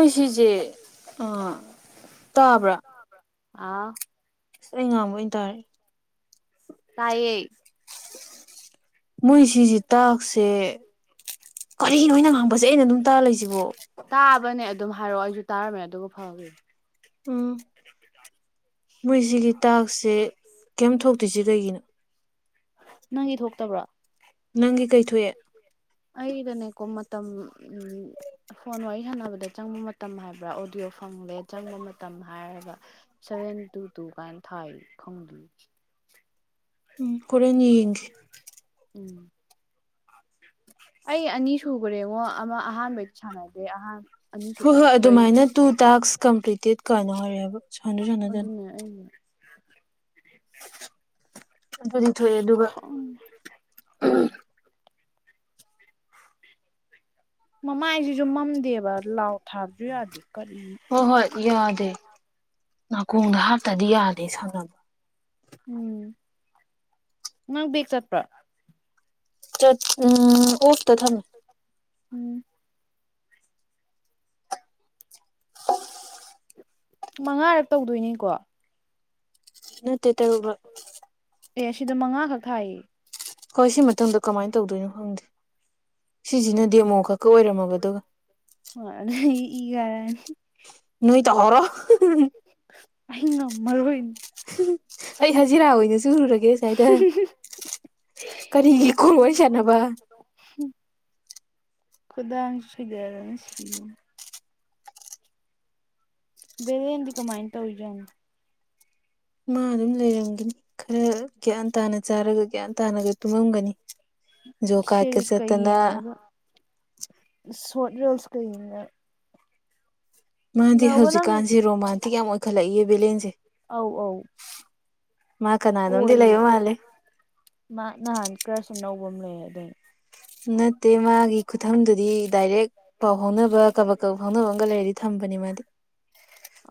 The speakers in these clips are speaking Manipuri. ꯑꯩꯈꯣꯏ ꯁꯤꯁꯦ ꯑ ꯇꯥꯕ꯭ꯔꯥ ꯑꯥ ꯑꯁ ꯑꯩ ꯉꯥꯡꯕ ꯑꯣꯏꯅ ꯇꯥꯔꯦ ꯇꯥꯏꯌꯦ ꯃꯣꯏꯁꯤꯁꯤ ꯇꯥꯛꯁꯦ ꯀꯔꯤꯅꯣꯅ ꯉꯥꯡꯕꯁꯦ ꯑꯩꯅ ꯑꯗꯨꯝ ꯇꯥ ꯂꯩꯁꯤꯕꯣ ꯇꯥꯕꯅꯦ ꯑꯗꯨꯝ ꯍꯥꯏꯔꯛꯑꯣ ꯑꯩꯁꯨ ꯇꯥꯔꯝꯃꯦ ꯑꯗꯨ ꯐꯒꯦ ꯕꯨꯒꯦ [unintelligible] ꯍꯤꯗꯥꯛꯁꯦ ꯀꯦꯝꯊꯣꯛ ꯀ ꯆ ꯀꯩꯒꯤꯅꯣ ꯅꯪꯒꯤ ꯊꯣꯛꯇꯕ꯭ꯔꯣ ꯅꯪꯒꯤ ꯀꯩꯊꯑꯦ ꯑꯩꯗꯅꯦꯀꯣ ꯃꯇꯝ ꯐꯣꯟ ꯋꯥꯔꯤ ꯁꯥꯟꯅꯕꯗ ꯆꯪꯕ ꯃꯇꯝ ꯍꯥꯏꯕ꯭ꯔꯥ ꯑꯣꯗꯤꯌꯣ ꯐꯪꯂꯦ ꯆꯪꯕ ꯃꯇꯝ ꯍꯥꯏꯔꯒ ꯁꯚꯦꯟ ꯇꯨ ꯇꯨ ꯀꯥꯏꯅ ꯊꯥꯏ ꯈꯪꯗ ꯎꯝ ꯍꯣꯔꯦꯟ ꯌꯦꯡꯒꯦ ꯎꯝ ꯑꯩ ꯑꯅꯤ ꯁꯨꯈꯨꯔꯦꯉꯣ ꯑꯃ ꯑꯍꯥꯟꯕꯩꯗꯤ ꯁꯥꯟꯅꯗꯦ ꯑꯍ ꯍꯣꯏ ꯍꯣꯏ ꯑꯗꯨꯃꯥꯏꯅ ꯇꯨ ꯇꯥꯛꯁ ꯀꯝꯄ꯭ꯂꯤꯇꯦꯠ ꯀꯩꯅꯣ ꯑꯣꯏꯔꯦꯕ ꯁꯥꯟꯅ ꯁꯥꯟꯅꯗꯅ ꯑꯗꯨꯅꯦ [unintelligible] ꯑꯗꯨꯗꯤ ꯊꯣꯛꯑꯦ ꯑꯗꯨꯒ ꯈꯪꯗꯦ ꯃꯃꯥꯏꯁꯤꯁꯨ ꯃꯝꯗꯦꯕ ꯂꯥꯎ ꯊꯥꯕꯁꯨ ꯌꯥꯗꯦ ꯀꯔꯤ ꯍꯣꯏ ꯍꯣꯏ ꯌꯥꯗꯦ ꯅꯥꯀꯣꯡꯗ ꯍꯥꯇꯗꯤ ꯌꯥꯗꯦ ꯁꯥꯟꯅꯕ ꯎꯝ ꯃꯥꯪ ꯆꯠꯄ꯭ꯔ ꯆꯠ ꯎꯝ ꯑꯣ ꯇꯊꯝ ꯎꯝ ꯃꯉꯥꯔꯛ ꯇꯧꯗꯣꯏꯅꯤꯀꯣ ꯅꯠꯇꯦ ꯇꯔꯨꯕ ꯑꯦ ꯑꯁꯤꯗ ꯃꯉꯥꯈꯛ ꯊꯥꯏꯌꯦ ꯍꯣꯏ ꯁꯤ ꯃꯇꯝꯗ ꯀꯃꯥꯏꯅ ꯇꯧꯗꯣꯏꯅꯣ ꯈꯪꯗꯦ ꯁꯤꯁꯤꯅꯗꯤ ꯑꯃꯨꯛ ꯈꯛꯀ ꯑꯣꯏꯔꯝꯃꯕ ꯑꯗꯨꯒ ꯍ ꯏꯒ [unintelligible] ꯅꯣꯏꯣꯏ ꯇ ꯍꯔꯣ ꯑꯩꯅ ꯃꯔꯕꯨꯣꯏ ꯑꯩ ꯍꯖꯤꯔꯥ ꯑꯣꯏꯅ ꯆꯨꯔꯨꯔꯒꯦ ꯁꯁꯥꯏꯗ ꯀꯔꯤꯒꯤ ꯀ ꯋꯥꯔꯤ ꯁꯥꯟꯅꯕ ꯈꯨꯗꯥ ꯑꯁꯨꯗꯗꯅ ꯁꯤ ꯕꯍꯤꯗꯤ ꯀꯃꯥꯏꯟ ꯇꯧꯖ ꯃꯥ ꯑꯗꯨꯝ ꯂꯩꯔꯝꯒꯅꯤ ꯈꯔ ꯒ꯭ꯌꯥꯟ ꯇꯥꯅ ꯆꯥꯔꯒ ꯒ꯭ꯌꯥꯟ ꯇꯥꯅꯒ ꯇꯨꯝꯃꯝꯒꯅꯤ ꯖꯣ ꯀꯥꯠꯀ ꯁꯦꯔꯤꯁꯀ ꯆꯠꯇꯅ ꯌꯦꯡꯉꯒ ꯁꯣꯔꯠ ꯔꯔꯤꯦꯜꯁ ꯀꯦ ꯃꯥꯗꯤ ꯍꯧꯖꯤꯛꯀꯥꯟꯁꯤꯦ ꯔꯣꯃꯥꯟ ꯀ ꯌꯥꯝ ꯑꯣꯏꯈꯠꯂꯛꯏ ꯕꯦꯂꯦꯟꯁꯦ ꯑꯧ ꯑꯧ ꯃꯥ ꯀꯅꯥꯅꯣꯝꯗꯤ ꯑꯣꯏ ꯂꯩꯕ ꯃꯥꯜꯂꯦ ꯃꯥ ꯅꯍꯥꯟ ꯀꯁ ꯁꯅꯎꯕ ꯑꯃ ꯂꯩ ꯑꯗꯨ ꯅꯠꯇꯦ ꯃꯥꯒꯤ ꯈꯨꯊꯪꯗꯨꯗꯤ ꯗꯥꯏꯔꯦꯛ ꯄꯥꯎ ꯐꯥꯎꯅꯕ ꯀꯕꯛ ꯀꯕꯛ ꯐꯥꯎꯅꯕ ꯑꯃꯒ ꯂꯩꯔꯗꯤ ꯊꯝꯕꯅꯦ ꯃꯥꯗꯤ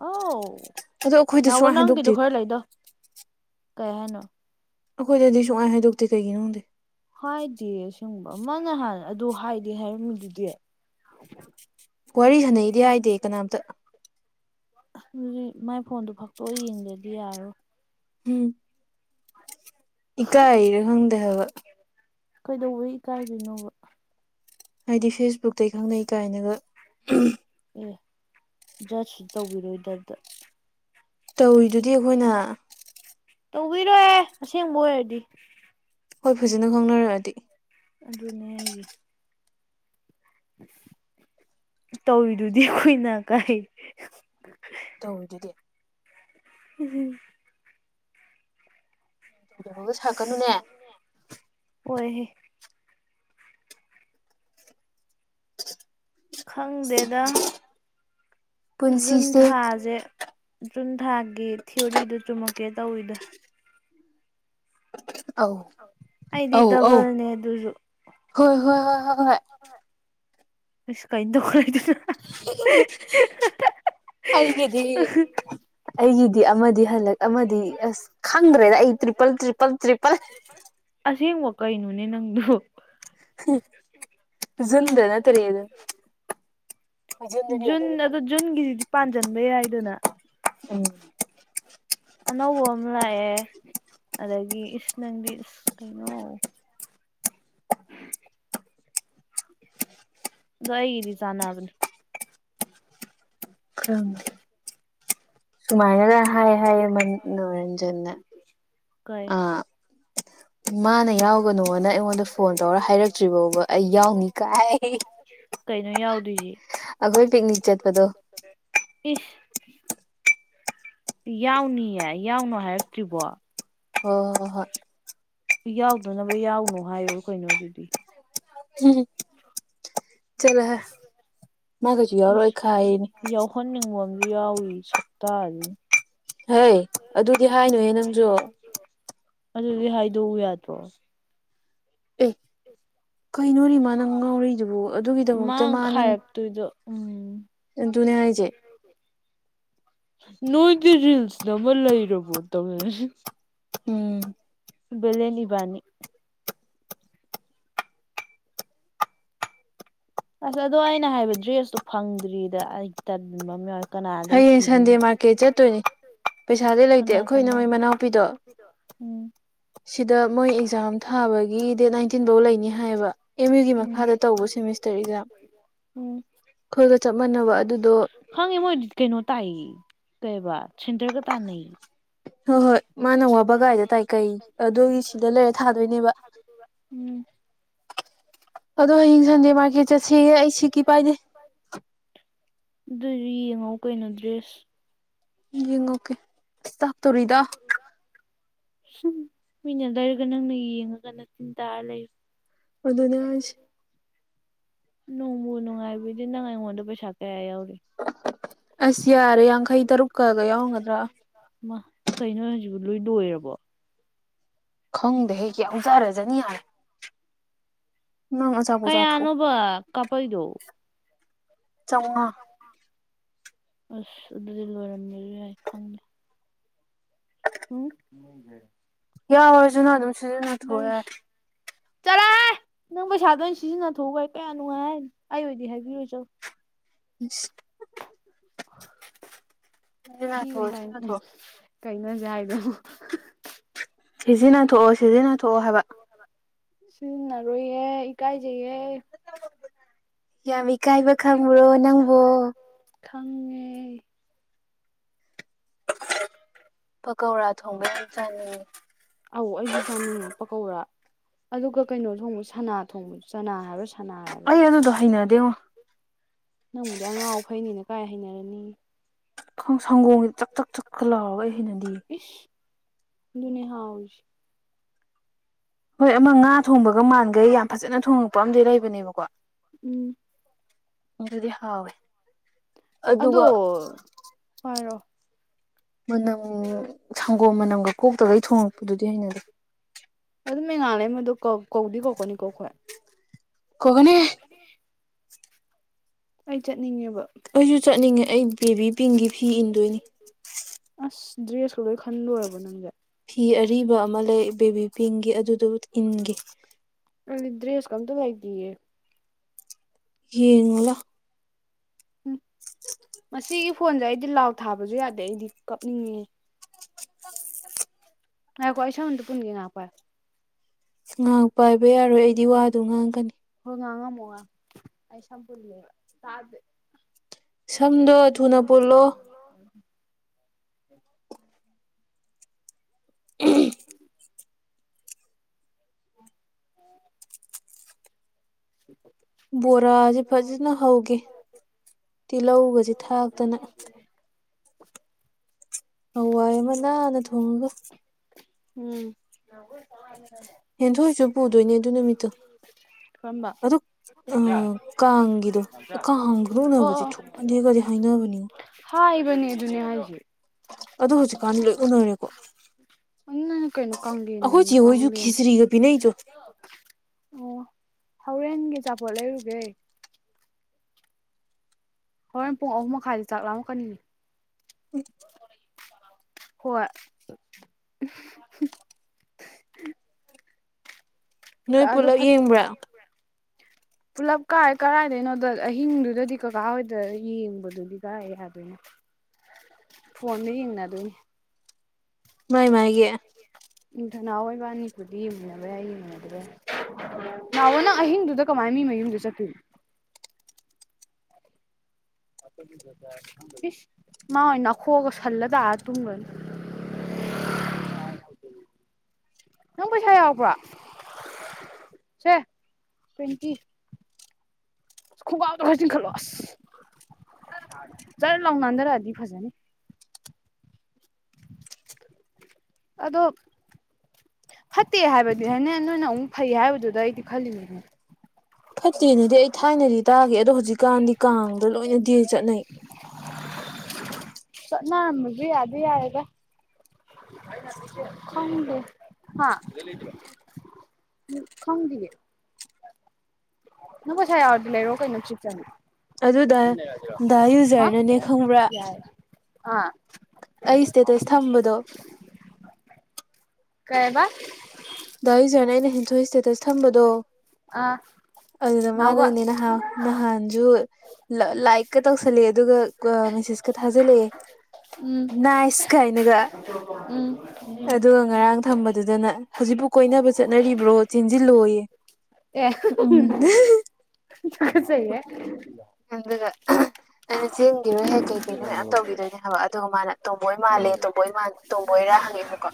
ꯑꯥꯎ ꯑꯗꯣ ꯑꯩꯈꯣꯏꯗ ꯅꯧꯕ ꯁꯨꯡꯍꯥꯏ ꯅꯪꯒꯤꯗꯣ ꯍꯥꯏꯗꯣꯛꯇꯦ ꯈꯔ ꯂꯩꯗꯣ ꯀꯍꯅ ꯑꯩꯈꯣꯏꯗꯗꯤ ꯁꯨꯡꯉꯥꯏ ꯍꯥꯏꯗꯣꯛꯇꯤ ꯀꯩꯒꯤꯅꯣꯗꯦ ꯃꯥꯅ ꯍꯥꯟꯅ ꯑꯗꯨ ꯍꯥꯏꯗꯤ ꯍꯥꯏꯔꯝꯃꯤꯗꯨꯗꯤ ꯋꯥꯔꯤ ꯁꯥꯟꯅꯩꯗꯤ ꯍꯥꯏꯗꯦ ꯀꯅꯥꯝꯇ ꯎꯝ ꯃꯥꯏ ꯐꯣꯟꯗꯨ ꯐꯛꯇꯣꯛ ꯌꯦꯡꯗꯗꯤ ꯌꯥꯔꯣꯏ ꯎꯝ ꯏꯀꯥꯏꯔꯣ ꯈꯪꯗꯦꯕ ꯀꯩꯗꯧꯕꯩ ꯀꯥꯏꯗꯣꯏꯅꯣꯕ ꯍꯥꯏꯗꯤ ꯐꯦꯁꯕꯨꯛ ꯑꯇꯩ ꯈꯪꯅꯩ ꯀꯥꯏꯅꯒ ꯇꯧꯕꯤꯔꯣꯏꯗꯕꯗꯣ ꯇꯧꯔꯤꯗꯨꯗꯤ ꯑꯩꯈꯣꯏꯅ ꯇꯧꯕꯤꯔꯣ ꯑꯁꯦꯡꯕ ꯑꯣꯏꯔꯗꯤ ꯍꯣꯏ ꯐꯖꯅ ꯈꯪꯅꯔꯛꯑꯗꯤ ꯑꯗꯨꯅꯦ ꯑꯩꯒꯤ ꯇꯧꯋꯤꯗꯨꯗꯤ ꯀꯨꯏꯅ ꯀꯥꯏ ꯇꯧꯗꯨꯗꯤ ꯎꯝ ꯇꯧꯗꯔꯒ ꯁꯥꯀꯅꯨꯅꯦ ꯍꯣꯏꯍꯦ ꯈꯪꯗꯦꯗ ꯖꯨꯟ ꯄꯨꯟꯁꯤꯁꯦ ꯑꯧ ꯊꯥꯁꯦ ꯖꯨꯟ ꯊꯥꯒꯤ ꯊꯤꯑꯣꯔꯤꯗꯨ ꯆꯨꯝꯃꯛ ꯀꯦ ꯇꯧꯋꯤꯗ ꯑꯥꯎ ꯑꯩꯗꯤ ꯗꯕꯜꯅꯦ ꯑꯗꯨꯁꯨ ꯍꯣꯏ ꯍꯣꯏ ꯍꯣꯏ ꯍꯣꯏ ꯍꯣꯏ ꯑꯁ ꯀ ꯏ ꯇ ꯍꯒꯗꯦꯒꯤꯗ ꯑꯃꯗꯤ ꯍꯜꯂꯛ ꯑꯃꯗꯤ ꯑꯁ ꯈꯪꯗ꯭ꯔꯦꯗ ꯑꯩ ꯇ꯭ꯔꯤꯄꯜ ꯇ꯭ꯔꯤꯄꯜ ꯇ꯭ꯔꯤꯄꯜ ꯁꯦꯡ ꯋꯥ ꯀꯥꯏꯩꯅꯨꯅꯦ ꯅꯪꯗꯨ ꯖꯗꯗ ꯇꯔꯤꯗ ꯖꯨꯟ ꯑꯗꯣ ꯖꯨꯟꯒꯤꯁꯤꯗꯤ ꯄꯥꯟꯁꯤꯟꯕꯩ ꯌꯥꯏꯗꯅ ꯎꯝ ꯑꯅꯧꯕ ꯑꯃ ꯂꯥꯛꯑꯦ ꯑꯗꯒꯤ ꯏꯁꯁ ꯅꯪꯗꯤ ꯏꯁ ꯀꯩꯅꯣ ꯣꯏꯔꯤ ꯆꯅ ꯑꯗꯨꯅꯤ ꯑ ꯁꯨꯃꯥꯏꯅꯗ ꯍꯥꯏꯌꯦ ꯍꯥꯏꯌꯦ ꯃꯔꯅ ꯆꯟꯅ ꯀꯩ ꯑ ꯃꯥꯅ ꯌꯥꯎꯒꯅꯨꯅ ꯑꯩꯉꯣꯟꯗ ꯐꯣꯟ ꯇꯧꯔ ꯍꯥꯏꯔꯛꯇ꯭ꯔꯤ ꯐꯥꯎꯕ ꯑꯩ ꯌꯥꯎꯅꯤ ꯀꯥꯏ ꯀꯩꯅꯣ ꯌꯥꯎꯗꯣꯏꯁꯤ ꯑꯩꯈꯣꯏ ꯄꯤꯛꯅꯤꯛ ꯆꯠꯄꯗꯣ ꯏꯁ ꯌꯥꯎꯅꯤꯌꯦ ꯌꯥꯎꯅꯣ ꯍꯥꯏꯔꯛꯇ꯭ꯔꯤꯕꯣ ꯍ ꯍꯣ ꯍꯣꯏ ꯌꯥꯎꯗꯅꯕ ꯌꯥꯎꯅꯣ ꯍꯥꯏꯌꯣ ꯀꯩꯅꯣ ꯑꯗꯨꯗꯤ ꯎꯝ ꯆꯂ ꯍꯥꯏꯦ ꯃꯥꯒꯁꯨ ꯌꯥꯎꯔꯣꯏ ꯈꯅꯦ ꯎꯔꯤꯌꯥꯎꯔꯤ ꯁꯞꯇꯥꯔꯤ ꯍꯩ ꯑꯗꯨꯗꯤ ꯍꯥꯏꯅꯨꯍꯦ ꯅꯪꯖꯨ ꯑꯗꯨꯗꯤ ꯍꯥꯏꯗꯣꯛꯎ ꯌꯥꯗ꯭ꯔꯣ ꯄ ꯀꯩꯅꯣꯔꯤ ꯃꯥ ꯅꯪ ꯉꯥꯎꯔꯤꯗꯨꯕꯨ ꯑꯗꯨꯒꯤꯗꯃꯛꯇ ꯃꯥꯡ ꯃꯥ ꯅꯪ ꯈꯥꯏꯔꯛꯇꯣꯏꯗꯣ ꯎꯝ ꯅ ꯍꯥꯏꯖꯦ ꯅꯣꯏꯗꯤ ꯔꯤꯜꯁꯇ ꯑꯃ ꯂꯩꯔꯕꯣ ꯇꯧ ꯎꯝ ꯂꯦꯅꯤꯕꯅꯤꯅꯤ ꯑꯁ ꯑꯗꯣ ꯑꯩꯅ ꯍꯥꯏꯕ ꯗ꯭ꯔꯦꯁꯇꯨ ꯐꯪꯗ꯭ꯔꯤꯗ ꯑꯩ ꯇꯟꯕ ꯑꯃ ꯌꯥ ꯍꯌꯦꯡ ꯁꯟꯗꯦ ꯃꯥꯔꯀꯦꯠ ꯆꯠꯇꯣꯏꯅꯦ ꯄꯩꯁꯥꯗꯤ ꯂꯩꯇꯦ ꯀꯅꯥ ꯑꯩꯈꯣꯏꯅ ꯃꯣꯏ ꯀꯅꯥ ꯃꯅꯥꯎꯄꯤꯗꯣ ꯎꯝ ꯁꯤꯗ ꯃꯣꯏ ꯑꯦꯛꯖꯥꯝ ꯊꯥꯕꯒꯤ ꯗꯦꯠ ꯅꯥꯏꯟꯇꯤꯟꯐꯧ ꯂꯩꯅꯤ ꯍꯥꯏꯌꯦꯕ ꯑꯦꯝ ꯌꯨꯒꯤ ꯎꯝ ꯃꯈꯥꯗ ꯇꯧꯕ ꯁꯦꯃꯤꯁꯇꯔ ꯑꯦꯛꯖꯥꯝ ꯎꯝ ꯈꯣꯏꯒ ꯆꯞ ꯃꯥꯟꯅꯕ ꯑꯗꯨꯗꯣ ꯈꯪꯉꯦ ꯃꯣꯏ ꯀꯩꯅꯣ ꯇꯥꯏ ꯀꯩꯕ ꯁꯤꯟꯗꯔꯒ ꯇꯥꯟꯅꯩ ꯍꯣꯏ ꯍꯣꯏ ꯃꯥꯅ ꯎꯝ ꯋꯥꯕ ꯀꯥꯏꯗ ꯇꯥꯏꯀꯩ ꯑꯗꯨꯒꯤ ꯁꯤꯗ ꯂꯩꯔ ꯊꯥꯗꯣꯏꯅꯦꯕ ꯑꯗꯣ ꯍꯌꯦꯡ ꯁꯟꯗꯦ ꯃꯥꯔꯀꯦꯠ ꯆꯠꯁꯦꯌꯦ ꯑꯩ ꯁꯤꯀꯤ ꯄꯥꯏꯗꯦ ꯑꯗꯨ ꯌꯦꯡꯉꯣ ꯑꯩꯈꯣꯏꯅ ꯗ꯭ꯔꯦꯁ ꯌꯦꯡ ꯑꯣꯀꯦ ꯎꯝ ꯃꯤꯅ ꯂꯩꯔꯒ ꯅꯪꯅ ꯌꯦꯡꯉꯒꯅ ꯇꯤꯟ ꯇꯥꯔ ꯂꯩꯌ ꯑꯗꯨ ꯑꯗꯨꯅ ꯅꯣꯡꯕꯨ ꯅꯨꯡꯉꯥꯏꯕꯤꯗꯦ ꯅꯪ ꯑꯩꯉꯣꯜꯗ ꯄꯩꯁꯥ ꯀꯌꯥ ꯌꯥꯎꯔꯤ ꯑꯁ ꯌꯥꯔꯦ ꯌꯥꯡꯈꯩ ꯇꯔꯨꯛꯀꯒ ꯌꯥꯎꯒꯗ꯭ꯔꯥ ꯁꯤꯕꯨ ꯂꯣꯏ ꯂꯣꯏꯔꯕꯣ ꯈꯪꯗꯦ ꯍꯦ ꯌꯥꯝ ꯆꯥꯔꯖꯅꯤ ꯌꯥꯔꯦ ꯅꯪ ꯑꯆꯥꯄꯣꯠ ꯆꯥꯊꯣꯛꯑꯣ ꯀꯌꯥꯅꯣꯕ ꯀꯥꯄꯩꯗꯣ ꯆꯝꯉꯥ ꯑꯁ ꯑꯗꯨꯗꯤ ꯂꯔꯝꯃꯤ ꯌꯥ ꯈꯪꯗꯦ ꯎꯝ ꯌꯥꯎꯔꯁꯨ ꯅꯪ ꯑꯗꯨꯝ ꯁꯤꯖꯤꯟꯅꯊꯣꯛꯑꯣ ꯌ ꯆꯂꯥꯍꯦ ꯅꯪ ꯄꯩꯁꯥꯗ ꯑꯩꯏꯅ ꯁꯤꯖꯤꯟꯅꯊꯣꯛꯎ ꯀꯥꯌꯥ ꯅꯨꯡꯉꯥꯏ ꯍꯥꯏꯅꯣ ꯑꯩ ꯑꯣꯏꯗꯤ ꯍꯥꯏꯕꯤꯔꯣꯏ ꯆꯣ [unintelligible] [unintelligible] ꯁꯤꯖꯤꯟꯅꯊꯣ ꯊꯤꯒꯅꯨ ꯚꯥꯏ ꯁꯤꯖꯤꯟꯅꯊꯣ ꯀꯩꯅꯣ ꯍꯧꯖꯤ ꯍꯥꯏꯗꯣ ꯁꯤꯖꯤ ꯅ ꯊꯣ ꯁꯤꯖꯤꯟꯅ ꯊꯣꯛꯑꯣ ꯍꯥꯏꯕ ꯁꯤꯟꯅꯔꯣꯏꯌꯦ ꯏꯀꯥꯏꯖꯩꯌꯦ ꯌꯥꯝ ꯏꯀꯥꯏꯕ ꯈꯪꯉꯨꯔꯣ ꯅꯪꯕꯣ ꯈꯪꯉꯦ ꯄꯀꯧꯔꯥ ꯊꯣꯡꯕ ꯌꯥꯝ ꯆꯥꯅꯤꯡꯉꯤ ꯑꯧ ꯑꯩꯁꯨ ꯆꯥꯅꯤꯡꯉꯦ ꯄꯀꯧꯔꯥ ꯑꯗꯨꯒ ꯀꯩꯅꯣ ꯊꯣꯡꯕ ꯁꯅꯥ ꯊꯣꯡꯕ ꯆꯅꯥ ꯍꯥꯏꯕꯔ ꯑꯩ ꯑꯗꯨꯗꯣ ꯍꯩꯅꯗꯦꯉꯣ ꯅꯪꯕꯨꯗꯤ ꯑꯉꯥꯎ ꯐꯩꯅꯤꯅ ꯀꯥꯏ ꯍꯩꯅꯔꯅꯤ ꯈꯣꯡꯁ ꯍꯪꯒꯣꯏ ꯆꯥꯛ ꯆꯛ ꯆꯛ ꯀ ꯂꯥꯎꯔꯒ ꯑꯩ ꯍꯩꯅꯗꯤꯌꯦ ꯑꯗꯨꯅ ꯍꯥꯥꯎꯔꯤꯁꯦ ꯍꯣꯏ ꯑꯃ ꯉꯥ ꯊꯣꯡꯕꯒ ꯃꯥꯟꯈꯩ ꯌꯥꯝ ꯐꯖꯅ ꯊꯣꯡꯉꯛꯄ ꯑꯃꯗꯤ ꯂꯩꯕꯅꯦꯕꯀꯣ ꯎꯝ ꯑꯗꯨꯗꯤ ꯍꯥꯎꯋꯦ ꯑꯗꯣ ꯑꯗꯨꯒ ꯐꯥꯏꯔꯣ ꯃꯅꯝ ꯁꯪꯒꯣꯝ ꯃꯅꯝ ꯀꯣꯛꯇꯒꯩ ꯊꯣꯉꯛꯄꯗꯨꯗꯤ ꯍꯩꯅꯗꯦ ꯑꯗꯨ ꯃꯉꯥꯂ ꯃꯗꯨ ꯀꯧꯗꯤ ꯀꯧꯔꯛꯀꯅꯤ ꯀꯣ ꯑꯩꯈꯣꯏ ꯀꯒꯅꯦ ꯑꯩ ꯆꯠ ꯑꯩꯁꯨ ꯆꯠꯅꯤꯡꯉꯦ ꯑꯩ ꯕꯦꯕꯤ ꯄꯤꯡꯒꯤ ꯐꯤ ꯏꯟꯗꯣꯏꯅꯤ ꯗ꯭ꯔꯦꯁ ꯀ ꯂꯣꯏ ꯈꯟꯂꯣꯏꯔꯕꯣ ꯅꯪꯗꯤ ꯐꯤ ꯑꯔꯤꯕ ꯑꯃ ꯂꯩ ꯕꯦꯕꯤ ꯄꯤꯡꯒꯤ ꯑꯗꯨꯗꯨ ꯏꯟꯈꯤ ꯀꯝꯗ ꯂꯩꯇꯌꯦ ꯌꯦꯉꯒ ꯎꯝ ꯃꯁꯤꯁꯤꯒꯤ ꯐꯣꯟꯁꯦ ꯑꯩꯗꯤ ꯂꯥꯎ ꯊꯥꯕꯁꯨ ꯌꯥꯗꯦ ꯑꯩꯗꯤ ꯀꯞꯅꯤꯡꯉꯤ ꯑ ꯀꯣꯏꯁ ꯃꯇ ꯄꯨꯟꯒꯦꯅꯄꯥ ꯁꯎ ꯄꯥꯏꯕ ꯌꯥꯔꯣꯏ ꯑꯩꯗꯤ ꯋꯥꯗꯣ ꯉꯥꯡꯒꯅꯤ ꯑꯩꯁꯝꯄꯨꯔ ꯂꯩ ꯇꯗ ꯁꯝꯗꯣ ꯊꯨꯅ ꯄꯨꯣꯜꯂꯣ [unintelligible] ꯎ ꯕꯣꯔꯥꯁꯦ ꯐꯖꯅ ꯍꯧꯒꯦ ꯇꯤꯜꯍꯧꯒꯁꯦ ꯊꯥꯛꯇꯅ [unintelligible] ꯍꯋꯥꯏ ꯑꯃ ꯅꯥꯟꯅ ꯊꯣꯡꯉꯒ ꯎꯝ ꯍꯦꯟꯊꯣꯏꯁꯨ ꯄꯨꯗꯣꯏꯅꯦ ꯑꯗꯨ ꯅꯨꯃꯤꯠꯇ ꯀꯔꯝꯕ ꯑꯗꯨ ꯑ ꯀꯥꯡꯒꯤꯗꯣ ꯑꯣ ꯀꯥꯡꯒꯅꯨꯅꯕꯗꯤ ꯑꯣ ꯊꯣꯛꯑꯗꯦꯒꯗꯤ ꯍꯥꯏꯅꯕꯅꯤ ꯍꯥꯏꯕꯅꯦ ꯑꯗꯨꯅꯦ ꯍꯥꯏꯁꯦ ꯑ ꯍꯧꯖꯤꯛꯀꯥꯟꯗꯤ ꯂꯣꯏ ꯎꯅꯔꯦꯀꯣ ꯑꯣꯟꯅꯅ ꯀ ꯀꯪꯂꯦꯟ ꯑꯩꯈꯣꯏ ꯆꯦ ꯍꯣꯏꯁꯨ ꯀꯥꯡꯂꯦ ꯈꯦꯆ꯭ꯔꯤꯒ ꯄꯤꯅꯩꯗꯣ ꯑꯣ ꯍꯣꯔꯦꯟꯒꯤ ꯆꯆꯥꯄꯣꯠ ꯂꯩꯔꯨꯒꯦ ꯍꯣꯔꯦꯟ ꯄꯨꯡ ꯑꯍꯨꯝ ꯃꯈꯥꯏꯗꯤ ꯆꯥꯛ ꯂꯥꯛꯀꯅꯤꯅꯤ ꯍꯣꯏ ꯅꯣꯏ ꯑꯗꯨ ꯄꯨꯂꯞ ꯐꯠ ꯌꯦꯡꯕ꯭ꯔꯥ ꯄꯨꯂꯞ ꯀꯥꯏ ꯀꯔꯥꯏꯗꯣꯏꯅꯣꯗ ꯑꯍꯤꯡꯗꯨꯗꯗꯤ ꯀꯀꯥ ꯍꯣꯏꯗ ꯌꯦꯡꯕꯗꯨꯗꯤ ꯀꯥꯏꯑ ꯍꯥꯏꯗꯣꯏꯅꯣ ꯐꯣꯟꯗ ꯌꯦꯡꯅꯗꯣꯏꯅꯦ ꯃꯥꯏ ꯃꯥꯥꯏ ꯌꯦ ꯎꯝ ꯊ ꯅꯍꯋꯥꯏ ꯏꯕꯥꯅꯤꯄꯨꯔꯗꯤ ꯌꯦꯡꯃꯤꯟꯅꯕ ꯌꯥꯏ ꯌꯦꯡꯃꯤꯟꯅ ꯑꯗꯨ ꯅꯍꯥꯋꯥ ꯅꯪ ꯑꯍꯤꯡꯗꯨꯗ ꯀꯃꯥꯏꯅ ꯃꯤ ꯃꯌꯨꯝꯗꯨ ꯆꯠꯀ ꯃꯥꯏꯅꯈꯣꯛꯑꯒ ꯁꯜꯂꯗ ꯇꯨꯝꯒ ꯇꯨꯝꯒꯔꯅꯤ ꯅꯪ ꯄꯩꯁꯥ ꯌꯥꯎꯕ꯭ꯔꯣ ꯁꯦ ꯇ꯭ꯋꯦꯟꯇꯤ ꯈꯣꯡꯒꯥꯎꯗ ꯈꯔ ꯆꯤꯡꯈꯠꯂꯣ ꯑꯁ ꯆꯖꯔ ꯂꯥꯎ ꯅꯥꯟꯊꯔꯛꯑꯗꯤ ꯐꯖꯅꯤ ꯑꯗꯣ ꯐꯠꯇꯦ ꯍꯥꯏꯕꯗꯤ ꯍꯅꯦ ꯅꯣꯏꯅ ꯑꯃꯨꯛ ꯐꯩ ꯍꯥꯏꯕꯗꯨꯗ ꯑꯩꯗꯤ ꯈꯜꯂꯤꯅꯤꯅꯦ ꯐꯠꯇꯦꯅꯗꯤ ꯑꯩ ꯊꯥꯏꯅꯗꯤ ꯇꯥꯒꯦ ꯑꯗꯣ ꯍꯧꯖꯤꯛꯀꯥꯟꯗꯤ ꯀꯥꯡꯗ ꯂꯣꯏꯅ ꯗꯦꯠꯇꯤ ꯆꯠꯅꯩ ꯁꯅꯥ ꯃ ꯌꯥꯗ ꯌꯥꯔꯦꯗ ꯈꯪꯗꯦ ꯍꯥ ꯁꯤꯗꯩꯩ ꯂꯩꯗꯣꯏꯔꯣ ꯀꯪꯗꯤꯌꯦ ꯅꯪ ꯀꯩꯁꯥꯏ ꯌꯥꯎꯔꯗꯤ ꯂꯩꯔꯣ ꯀꯩꯅꯅꯨꯡ ꯆꯨꯞꯛ ꯆꯅꯤ ꯑꯗꯨꯗ ꯗ ꯍꯥ ꯌꯨꯖꯔꯅꯅꯦ ꯈꯪꯕ꯭ꯔꯥ ꯌꯥꯏ ꯑꯥ ꯑꯩꯁꯇꯦꯇꯁ ꯊꯝꯕꯗꯣ ꯀꯩꯕ ꯗꯥꯏꯖꯅ ꯑꯩꯅ ꯍꯦꯟꯊꯣꯛꯏ ꯏꯁꯇꯦꯇꯁ ꯊꯝꯕꯗꯣ ꯑꯥ ꯑꯗꯨꯗ ꯅꯥꯎꯕ ꯃꯥꯅꯅꯦ ꯅꯍꯥꯟ ꯅꯍꯥꯟꯁꯨ ꯂꯥꯏꯔꯤꯛꯀ ꯇꯧꯁꯜꯂꯦ ꯑꯗꯨꯒ ꯃꯦꯁꯦꯁꯀ ꯊꯥꯖꯜꯂꯛꯑꯦ ꯎꯝ ꯅꯥꯏꯁ ꯀꯥꯏꯅꯒ ꯎꯝ ꯑꯗꯨꯒ ꯉꯔꯥꯡ ꯊꯝꯕꯗꯨꯗꯅ ꯍꯧꯖꯤꯛꯕꯨ ꯀꯣꯏꯅꯕ ꯆꯠꯅꯔꯤꯕ꯭ꯔꯣ ꯆꯦꯟꯁꯤꯜꯂꯣꯏꯌꯦ ꯑꯦ ꯎꯝ ꯇꯨꯀꯠꯆꯩꯍꯦ ꯑꯗꯨ ꯑꯩꯅ ꯆꯦꯟꯒꯤꯔꯣꯏꯍꯦꯛ ꯀꯩꯀꯩꯅꯣ ꯃꯌꯥꯝ ꯇꯧꯈꯤꯗꯣꯏꯅꯦ ꯍꯥꯏꯕ ꯑꯗꯨꯒ ꯃꯥꯅ ꯇꯣꯝꯕꯣꯏ ꯃꯥꯜꯂꯦ ꯇꯣꯝꯕꯣꯏ ꯇꯣꯝꯕꯣꯏꯔꯥ ꯍꯪꯉꯛꯏꯕꯀꯣ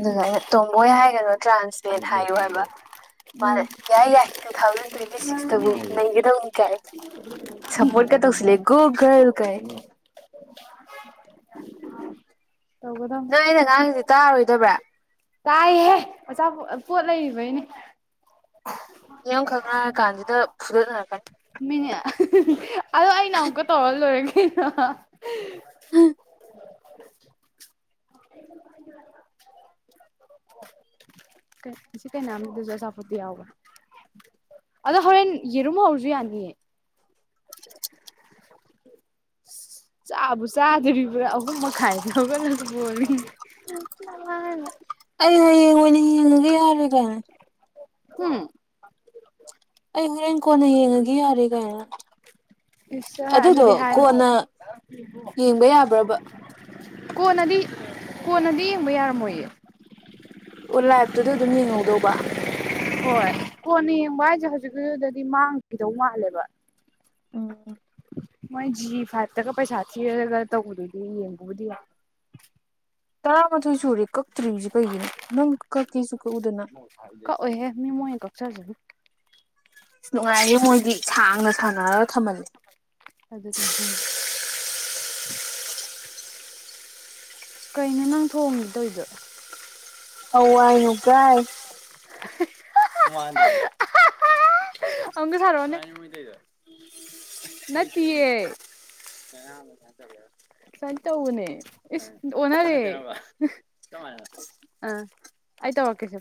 ꯑꯗꯨꯒ ꯑꯩꯅ ꯇꯣꯝꯕꯣꯏ ꯍꯥꯏꯒꯅꯨ ꯇ꯭ꯔꯥꯟꯁꯂꯦꯠ ꯍꯥꯏꯌꯨ ꯍꯥꯏꯕ ꯎꯝ ꯃꯥꯅꯦ ꯎꯝ ꯌꯥꯏ ꯌꯥꯏ ꯇꯨ ꯊꯥꯎꯖꯟ ꯇ꯭ꯋꯦꯟꯇꯤ ꯁꯤꯛꯁꯇꯕꯨ ꯅꯩꯒꯗꯧꯅꯤ ꯀꯥꯏ ꯁꯄꯣꯔꯠꯀ ꯇꯧꯁꯤꯜꯂꯦ ꯒꯨ ꯒꯔꯜ ꯀꯥꯏ ꯇꯧꯒꯗ ꯅꯪ ꯑꯩꯅ ꯉꯥꯡꯉꯤꯁꯦ ꯇꯥꯔꯣꯏꯗꯕ꯭ꯔꯥ ꯀꯥꯏ ꯍꯦ ꯑ ꯄꯣꯠ ꯂꯩꯔꯤꯕꯩꯅꯦ ꯃꯤꯌꯥꯝ ꯈꯪꯅꯔ ꯀꯥꯟꯁꯤꯗ ꯐꯨꯗꯠꯅꯔꯛꯀꯅꯤ ꯃꯤꯅꯤ ꯑꯗꯣ ꯑꯩꯅ ꯑꯃꯨꯛꯀ ꯇꯧꯔ ꯂꯣꯏꯔꯦ ꯑ [unintelligible] [inaudible] [inaudible] ꯁꯤ ꯀꯩꯅꯝꯗꯨꯁꯨ ꯑꯆꯥꯄꯣꯠꯇꯣ ꯌꯥꯎꯕ ꯑꯗꯣ ꯍꯣꯔꯦꯟ ꯌꯦꯔꯨꯝ ꯍꯧꯔꯁꯨ ꯌꯥꯅꯤꯌꯦ [inaudible] ꯆꯥꯕꯨ ꯆꯥꯗ꯭ꯔꯤꯕ꯭ꯔꯥ ꯑꯍꯨꯝ ꯃꯈꯥꯏꯗꯒꯂꯛꯄꯣꯅꯤ ꯅ ꯑꯩ ꯍꯌꯦꯡ ꯑꯣꯏꯅ ꯌꯦꯡꯉꯒꯦ [unintelligible] ꯎ ꯑꯩ ꯍꯣꯔꯦꯟ ꯀꯣꯟꯅ ꯌꯦꯡꯉꯒꯦ ꯌꯥꯔꯦ ꯀꯥꯏꯅ ꯏꯁ ꯑꯗꯨꯗꯣ ꯑꯗꯨꯗꯤ ꯍꯥꯏꯔꯣ ꯀꯣꯟꯅ ꯌꯦꯡꯕ ꯌꯥꯕ꯭ꯔꯕ ꯀꯣꯟꯅꯗꯤ ꯀꯣꯟꯅꯗꯤ ꯌꯦꯡꯕ ꯌꯥꯔꯝꯃꯣꯏꯌꯦ ꯑꯣ ꯂꯥꯏꯕꯇꯨꯗ ꯑꯗꯨꯝ ꯌꯦꯡꯍꯧꯗꯧꯕ ꯍꯣꯏ ꯀꯣꯟꯅ ꯌꯦꯡꯕ ꯍꯥꯏꯁꯦ ꯍꯧꯖꯤꯛꯗꯗꯤ ꯃꯥꯡꯈꯤꯗꯧ ꯃꯥꯜꯂꯦꯕ ꯎꯝ ꯃꯣꯏ ꯖꯤ ꯐꯥꯏꯚꯇꯒ ꯄꯩꯁꯥ ꯊꯤꯔꯒ ꯇꯧꯕꯗꯨꯗꯤ ꯌꯦꯡꯕꯕꯨꯗꯤ ꯇꯔꯥꯃꯥꯊꯣꯏ ꯁꯨꯔꯦ ꯀꯛꯇ꯭ꯔꯤꯕꯁꯤ ꯀꯩꯒꯤꯅꯣ ꯅꯪ ꯀꯛꯀꯦꯁꯨ ꯀꯛꯎꯗꯅ ꯀ ꯑꯣꯏꯍꯦ ꯃꯤ ꯃꯣꯏ ꯀꯣ ꯁꯥꯖ ꯑꯗꯨ ꯅꯨꯡꯉꯥꯏꯌꯦ ꯃꯣꯏꯗꯤ ꯁꯥꯡꯅ ꯁꯥꯟꯅꯔꯒ ꯊꯝꯍꯜꯜꯂꯤꯦ ꯑꯗꯨꯅꯦ ꯍꯥꯏꯁꯦ ꯀꯩꯅꯣ ꯅꯪ ꯊꯣꯡꯒꯦ ꯇꯧꯔꯤꯗꯣ ꯍꯧ ꯋꯥꯏ ꯍꯨꯒꯥꯏ ꯑꯃꯪꯒ ꯁꯥꯔꯣꯅꯦ ꯅꯠꯇꯦꯌꯦ ꯁꯨꯃꯥꯏꯅ ꯇꯧꯕꯅꯦ ꯏꯁ ꯑꯣꯟꯅꯔꯦ ꯑꯥ ꯑꯩ ꯇꯧꯔꯛꯀꯦ ꯁꯦ